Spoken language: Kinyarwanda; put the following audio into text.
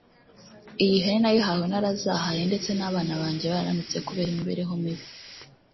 “Iyi hene nayihawe narazahaye ndetse n’abana banjye barananutse kubera imibereho mibi